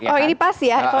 oh ini pas ya